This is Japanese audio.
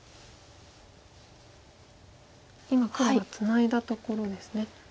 今黒がツナいだところですね。